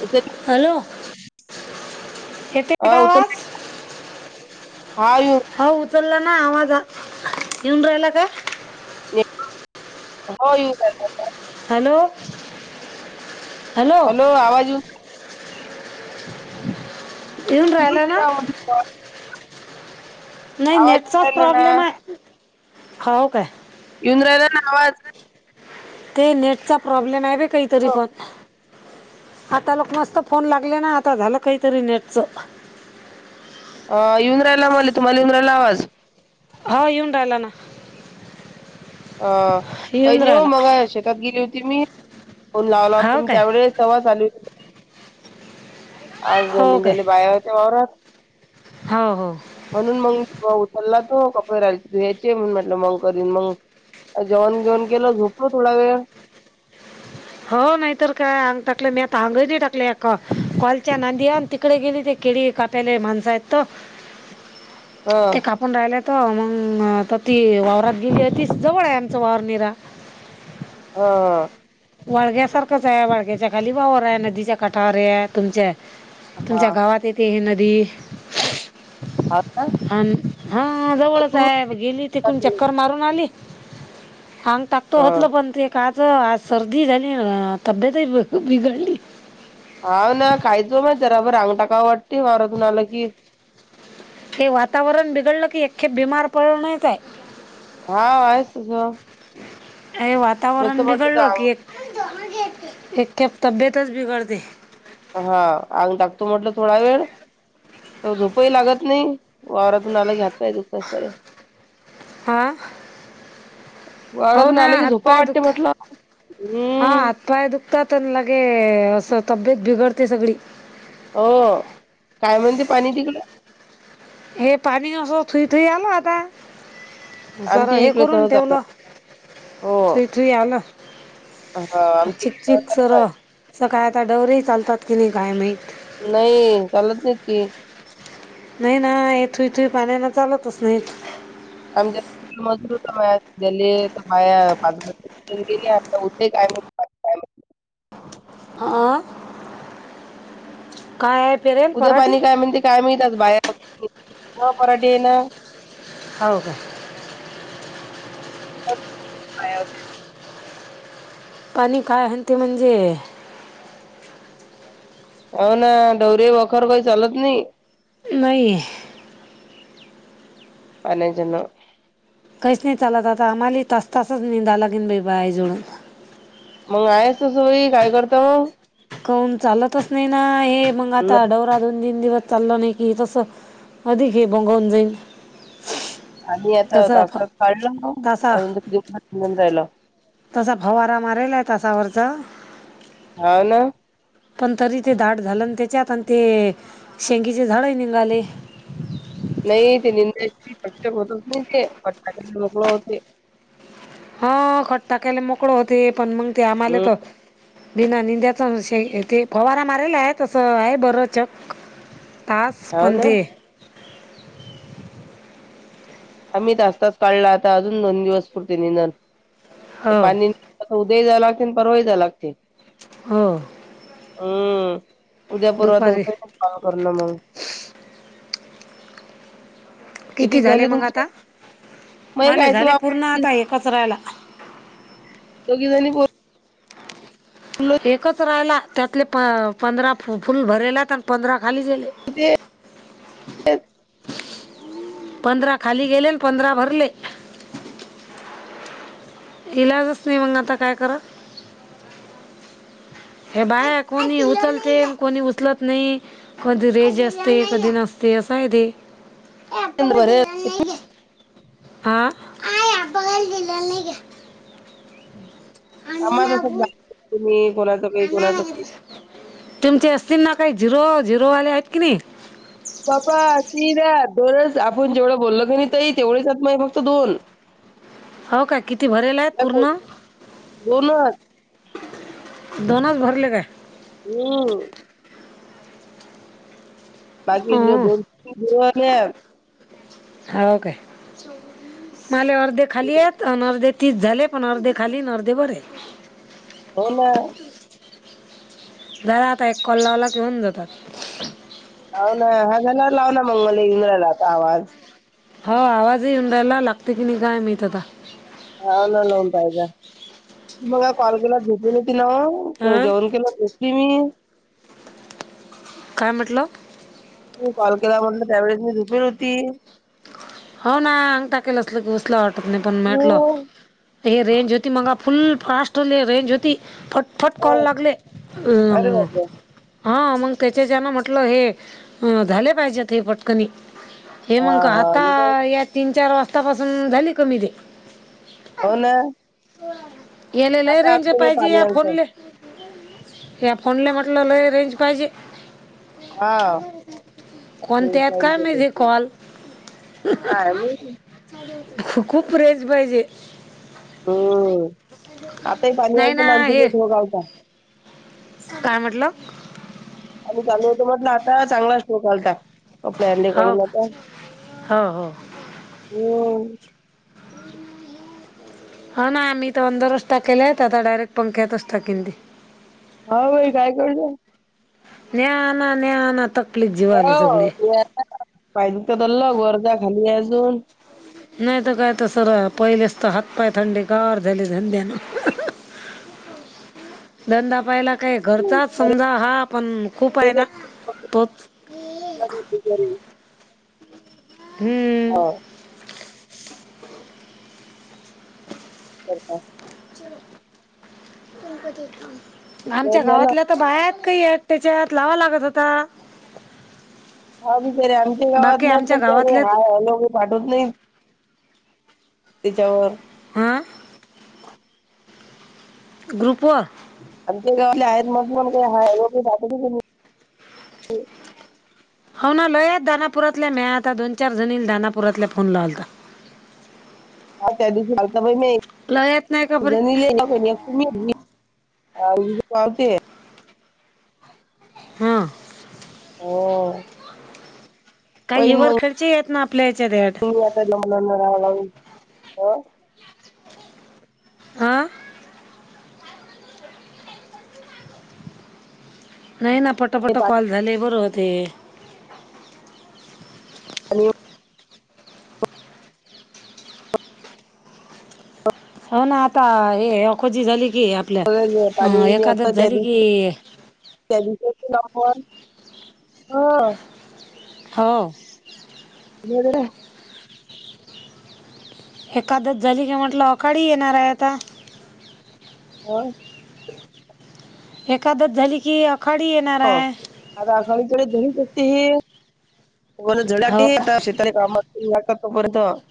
उचल हॅलो येतय का आवाज ह येऊ हो उचलला ना आवाज येऊन राहिला का हो येऊ हॅलो हॅलो आवाज येउन येऊन राहिला ना हो नाही येऊन नेटचाच राहिला ना प्रॉब्लेम आहे हो काय येउन राहला ना आवाज ते नेटचा प्रॉब्लेम आहे ब काहीतरी पण आता लोक मस्त फोन लागले ना आता झालं काहीतरी नेटच. अ येऊन राहिला मले तुम्हाले येऊन राहिला आवाज हो येऊन राहिला न अ काही नइ ओ मगा शेतात गेली होती मी फोन लावला होता हो तुम्ही काय त्यावेळेस तेव्हा चालू आज हो काय निद्याले बाया होत्या वावरात हो हो म्हणून मग मी उचलला तो कपडे राहिले धुया्चे म्हण म्हटलं मंग करीन मंग जेवण गिवन केलं झोपलो थोडा वेळ हो नाही तर काय अंग टाकलं म्या त अंग नाही टाकल कॉलच्या नांदी त इकडे गेली ते केळी काप्याले माणस आहेत त ह ते कापून राहिलंयत मग आता ती वावरात गेली ती जवळ आहे आमचा वावर निरा ह वाळघ्या सारखंच आहे वाळग्याच्या खाली वावर आहे नदीच्या कठारे आहे तुमच्या हा तुमच्या गावात येते हे नदी हा का हान हा जवळच आहे गेली तिकून चक्कर मारून आली. आंगताक तो हा. होतल पण ते काच आज सर्दी झाली तब्येतही बिघडली हा ना कायच माय जराबर अंगटाका वाटते वावरातून आल की हे वातावरण बिघडलं की एकखेप बीमार पडणेच आहे. हा आहेसस अ वातावरण तर बिघडलं की अंग एक एक कप तब्येतच बिघडते हा अंग टाकतो म्हटलं थोडा वेळ त झोपही लागत नाही वावरातून आला घ्या पाय दुख सरे हां हो वावारातून ना आलं की झोपा हातपाय वाटते म्हटलं हम्म पाय दुखतात लगे असं तब्येत बिघडते सगळी. हो काय म्हणते पाणी तिकडे? हे पाणी असं थुई थुई आल आता जर आमच्या हे इकडे करून तह चालू ठेवलं. आहे. हो. थुई थुई आलं हा आमच्या चिक इकडे तह चिक सर चालू आहे. स काय आता डवरेही चालतात की नई काय माहीत? नाही चालत नाहीत की. नाही ना ये थुई थुई पाण्यान चालतच नाहीथ. आमच्या मजूरया गली बाया पाच शंगेरी असताे कायय [unintelligible] हां. कायब उद्या पाणी काय म्हणते काय माईत आज बाहे न पराठीे आहे ना. होव का. हो काय होते? पाणी काय आहे ते म्हणजे हो ना डोरी वखर काई चालत नई. नई. पानेजन काहीच नाही चालत आता आम्हालाही तास तासच निेंदायला गेन बाईजवळून. मग आहेस त सोरी काय करत. कऊन चालतच नाही ना हे मंग आता मग डव सा दोन तीन दिवस चालला नाही कि तस अधिक हे भंगवून जाईल. आणि् आता तसा तास फ तास काढलं ना तसा अजून कतीून [unintelligible] राला तसा फवारा मारेला आहे तसावरचा. हाव ना. पण तरी ते दाट झालं आणि त्याच्यात आणि ते शेंगीचे झाडही नींगाले. नाही ते निंद्या पक्षक होतत नाही ते पट मोकळ होते. हां खट्टा केल मोकळ होती पण मंग ते आम्हाले हम्म येतात. बिना निंद्याचा शैय ते फवारा मारलेला आहे तसं आहे बर चक. तास हो पन ना ते. आम्ही तास तास काढला आता अजून दोन दिवस पुरते निदान हो पाणी. आता उद्याही जायं लाग परवाही जाव लागते. हं. हम्म उद्या परवा तर दुपारी होतय ना कॉल करणं म. किती झाले मंग आता? मग मला कायच झाले पूर्ण बाबा आता एकच राहिला. तोघी जनि बो एकच राहिला त्यातले प पंधरा फ फुल भरेला आणि पंधरा खाली गेले. म ते तेच. पंधरा खाली गेले न पंधरा भरले. इलाजच नाही मग आता काय करा. हे बाया कोणी उचलते कोणी उचलत नाही. कधी रेंज असते कधी नसते असं आहे ते. भरेल हां. आणून आम्हाला आपण कस तुम्ही कोणाचं काही आणा कोणाचं नाही काही. तुमचे असतील ना काही झिरो झिरोवाले आहेत की नाही? बापा तीन दोनच आपण जेवढं बोललो की नाही ताई तेवढेच [unintelligible] फक्त दोन [inaudible] हो काय किती भरेल आहेत त्या को- पूर्ण? दोनच. दोनच भरले काय? हम्. बाकी चे दोन, दोन आळ काय, मले अर्धे खाली आहेत अन अर्धे- तीस झाले पण अर्धे खाली अर्धे वर हाय. हो ना. झाला आता एक कॉल लावला कि होऊन जातात. हो ना, हा झालेवर लाव ना मग माला ई ना झालाय आता आवाज. हो आवाज ई ना झालाय लागते की नाही काय माहित आता. हा ना [unintelligible] काय फायदा मगाशी कॉल केला झोपूनच तीन हां जेवण केलं झोपली मी. काय म्हटलं? तू कॉल केलेला त्यावेळेस मी झोपलेली होती. हो ना अंग टाकलेलं असल की उसला वाटत नाही पण हो म्हटलं हे रेंज होती मगा फुल फास्ट रेंज होती फट फट कॉल हो. लागले. अरे बाबा हा मग त्याच्या जना म्हटलं हे झाले पाहिजेत हे पटकनी. हे मंग हां, का हां. आता मी काय या तीन चार वाजतापासून झाली कमी ते. हो ना. येले लय आता रेंज आमच्याकडे पाहिजे पाणी या आलतं. फोनले. या फोनले म्हटलं लय रेंज पाहिजे. हां. कोणत्या आहेत काय माहित हे कॉल खूप रेंज पाहिजे. हम्म आताही नाही पानियाळच [unintelligible] ना नामच हे गेत होगावचा काय म्हटलं? आणि चालू होतो म्हटलं आता चांगला शो घालता. आपल्या [unintelligible] हो कडूून का? आता हो हो हो हा ना आम्ही तर अंदरच टाकले आहेत आता डायरेक्ट पंख्याेतच टाकीन ते. हो भाई काय करु त्या. न्या आना न्या आना तक हो पाहिली तर बलो वर जा खाली हाय अजून नाही तर काय सरळ आहे पहिलेच तर हातपाय थंडी हाय गार झाली धंद्यान. [inaudible] धंदा पाहिला काय हम्म. घरचाच समजा हा पण खूप ते आहे जे ना कपडे तोच [unintelligible] हम् हो. करता. आमच्या जेवण झालं? गावातल्या आता बायात काही आहेत त्याच्यात लावा लागत होता. हा बिचारे आमच्या गावात बाकी नाही आमच्या पण त्या गावातले हाय, हॅलो, पाठवत नाही. तिच्यावर. हा. ग्रुपवर आम ते गावले आहेत मग [unintelligible] हो ना लय आहेत दानापुरातल्या म्या आता दोन चार जणी दानापुरातल्या फोन लावलता. त्यात म ज लय येत नाही का बरी [unintelligible] तुम्ही पावते [unintelligible] हा. हो. काही पहिन ईवर मग खर्च येत ना आपल्या याच्या रेट आता जमला रा ला [unintelligible] हा. नाही ना पटपट कॉल झाले बरं होते. आणि [unintelligible] हो ना आता हे, अखोजी झाली की, आपल्या पाणी अं.. बिणी एकादस असतं त्या झाली दिवशी की- त्या [unintelligible] नंबर हो [inaudible] हो. ब [unintelligible] एकादस झाली की म्हटलं, अखाडी येणार आहे आता. होय. एकादस झाली कि, अखाडी येणार हं. आहे. आता आखाडीकडे झडी शते ही पण [unintelligible] हो झाले आ शेताले काम [inaudible] त कत बरत [unintelligible]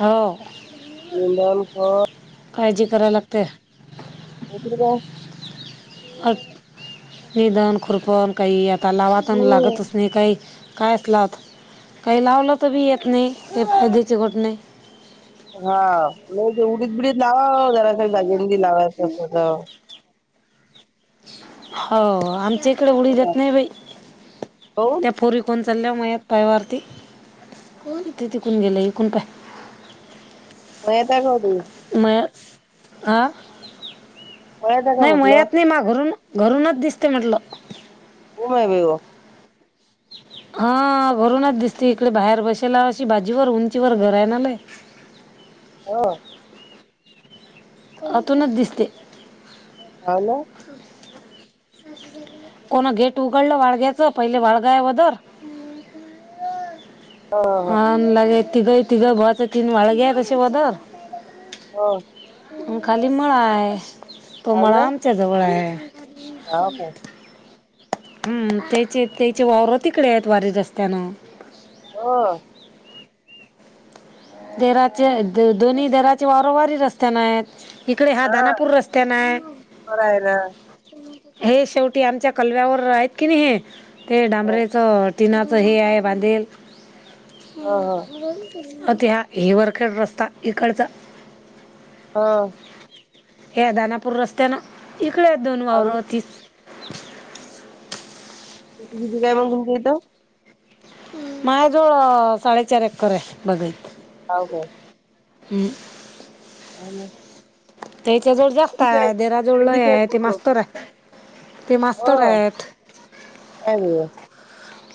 हो. लंदन ख [unintelligible] काळजी कराय लागते. हो [unintelligible] निधन खुरपन काही आता लावातन हम्म. लागतच नाही काही. काय असला आत काही लावलं तर बी येत नाही ते फायद्याचे घट नाही [unintelligible] हा म्ह जे उडीत बिडीत लावा जरा दगेंदी लावायच असत [unintelligible] हो, आमच्या इकड उडीद उडीद देत नाही बाई. काहून त्या पोरी- फोन चालल्या मायात पाय वरती, होथे तिकून गेलं इिकून काय [unintelligible] मता कती [unintelligible] मया हा मळ्यात आहे का नाही म्हटलं मयात नाही माघरून- घरूनच दिसते म्हटलं. ओ माय बाई व [unintelligible] हा घरूनच दिसते इकडे बाहेर बसेला, अशी भाजीवर उंचीवर घर आहे लय. हो [unintelligible] अतूनच दिसते. ह ना [unintelligible] कोण गेट उघडलं वाळग्याचं पहिले वाळगाय वदर. ह [unintelligible] आणन लागे तिघं तिघं बच तीन व्हाळ घे तशी दर [unintelligible] हो. [unintelligible] खाली मळा हाय, तो मळा आमच्या जवळ आहे. हो का. हम्म.. त्याचे त्याचे वावर तिकडे आहेत वारी रस्त्यान. हो. देराचे द दोन्ही देराचे वारंवारी रस्त्याना आहेत. इकडे हा हां, दानापूर रस्त्या ना. बरं आहे ना. हे शेवटी आमच्या कलव्यावर आहेत की नाही हे, ते हो. डांबरेच- तिनाचं हे आहे बांधेल हं, हं. अति ह हिवरखेड रस्ता इकडचा. [unintelligible] हा. हे दानापूर रस्त्या ना इकडे आहेत दोन आणि वावरं ती. तीे काय म्हग घुमती येतं. [unintelligible] माझ्याजवळ साडेचार एकर आहे बघायत. हो हो. [unintelligible] हम्म. [unintelligible] [inaudible] त्याच्या जोड जास्त तेवढीच आहे देरा जोड लय तेवढीच आहे ते पूर्ण. मास्तर आहे ते मास्तर आहेत. हो.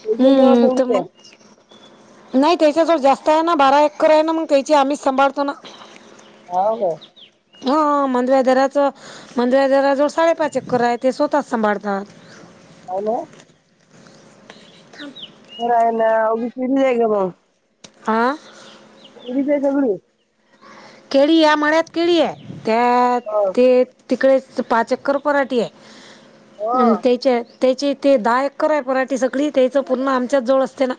त्याच्याजवळ हम्म तुमंग [inaudible] नाही त्याच्या जवळ जास्त आहे ना बारा एक्कर आहे ना मग त्याची आम्हीच सांभाळतो ना. हो का. हा मंदव्यादराच मंदिरा जरा जवळ साडेपाच चक्कर आहे ते स्वतःात सांभाळतात. हो ना. हो रा आहे ना आ बी चिरी जाय ग ब. हां. तमच सगळी. केळी या मळ्यात केळी आहे त्या हो. तिकडे पाच एक्कर पराठी हो. आहे आणि त्याच्या. त्याची ते दहा एकर आहे पराठी सगळी त्याच पुूर्ण आमच्यात जवळ असते ना.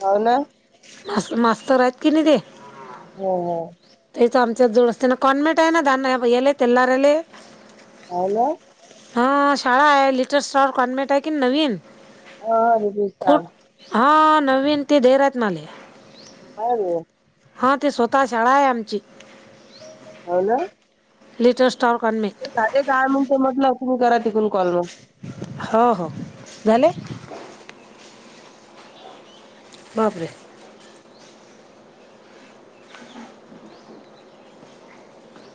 होवना. मा मास्तर आहेत की नाही ते. हो हो. त्याच आमच्या जुड असते ना कॉनमेट आहे ना दान याले तेलारले. अ ना. हा शाळा आहे लिटल स्टॉ कॉन्व्हेंट आहे कि नवीन. हा हा खूप विशल. हा नवीन ते रहात मले. हो. हा ते स्वतः शाळा आहे आमची. हो ना. लिटल स्टॉ कनमिक. काय म्हण म्हटलं तुम्ही करा तिकून कॉल मग. हो हो झाले. मबरे.